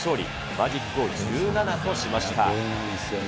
マジックを１７としました。